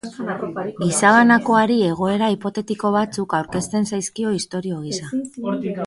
Gizabanakoari egoera hipotetiko batzuk aurkezten zaizkio istorio gisa.